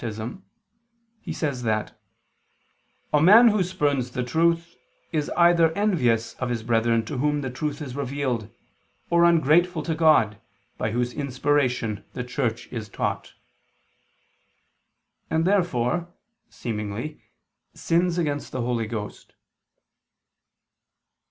vi, 35) he says that "a man who spurns the truth, is either envious of his brethren to whom the truth is revealed, or ungrateful to God, by Whose inspiration the Church is taught," and therefore, seemingly, sins against the Holy Ghost.